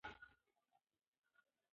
موږ د ورځې په لومړیو کې لږ تمرین کړی دی.